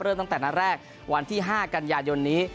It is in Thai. ตั้งแต่นัดแรกวันที่๕กันยายนนี้